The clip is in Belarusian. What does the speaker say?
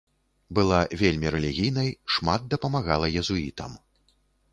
Была вельмі рэлігійнай, шмат дапамагала езуітам.